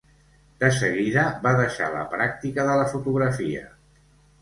De seguida va deixar la pràctica de la fotografia.